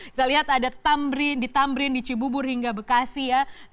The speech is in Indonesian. kita lihat ada tamrin di tamrin di cibubur hingga bekasi ya